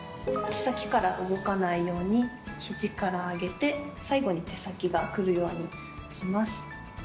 手先から動かないように肘から上げて最後に手先がくるようにします。